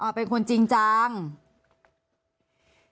ไม่อะค่ะเป็นคนจริงจังมากค่ะ